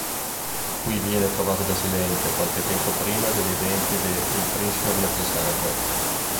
Qui viene trovato da Silente qualche tempo prima degli eventi de "Il principe mezzosangue".